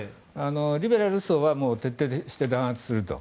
リベラル層は徹底して弾圧すると。